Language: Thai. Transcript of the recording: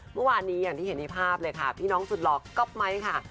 เมื่อวานนี้อย่างที่เห็นในภาพเลยค่ะพี่น้องสุดหล่อก๊อปไมค์ค่ะ